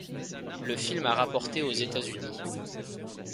Le film a rapporté aux États-Unis.